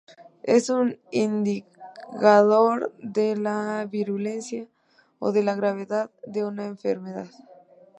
Es un indicador de la virulencia o de la gravedad de una enfermedad.